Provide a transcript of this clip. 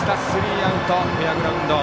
スリーアウト。